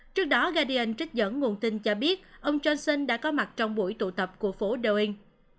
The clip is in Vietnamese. trước đó gadian trích dẫn nguồn tin cho biết ông johnson đã có mặt trong buổi tụ tập của phố doing